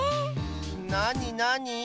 なになに？